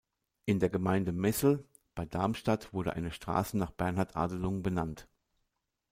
In der Gemeinde Messel bei Darmstadt wurde eine Straße nach Bernhard Adelung benannt.